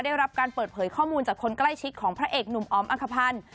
ได้รับการเปิดเผยข้อมูลจากคนใกล้ชิดของพระเอกหนุ่มออมอัคภัณฑ์